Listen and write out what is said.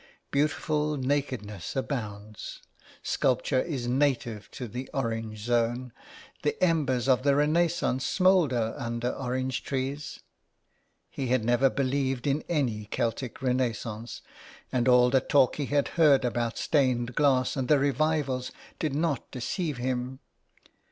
Beautiful nakedness abounds. Sculpture II IN THE CLAY. IS native to the orange zone — the embers of the renaissance smoulder under orange trees.'' He had never believed in any Celtic renaissance, and all the talk he had heard about stained glass and the revivals did not deceive him.